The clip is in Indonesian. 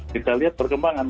kita lihat perkembangan